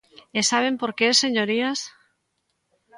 ¿E saben por que, señorías?